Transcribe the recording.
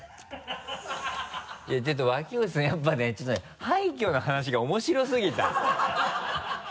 いやちょっと脇淵さんやっぱねちょっとね廃墟の話が面白すぎた。